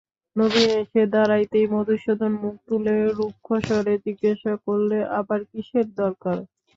নবীন এসে দাঁড়াতেই মধুসূদন মুখ তুলে রুক্ষস্বরে জিজ্ঞাসা করলে, আবার কিসের দরকার?